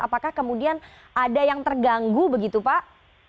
apakah kemudian ada yang terganggu begitu pak